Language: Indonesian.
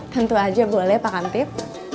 tentu aja boleh pak kantip